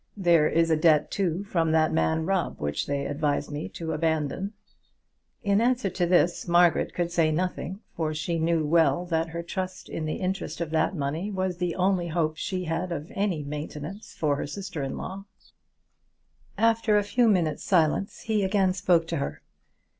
There is a debt too from that man Rubb which they advise me to abandon." In answer to this, Margaret could say nothing, for she knew well that her trust in the interest of that money was the only hope she had of any maintenance for her sister in law. After a few minutes' silence he again spoke to her.